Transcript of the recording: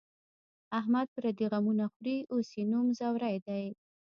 احمد پردي غمونه خوري، اوس یې نوم ځوری دی.